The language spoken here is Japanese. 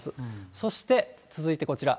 そして続いてこちら。